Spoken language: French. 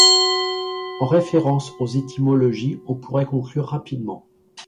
En référence aux étymologies, on pourrait conclure rapidement.